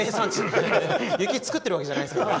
雪を作ってるわけじゃないです。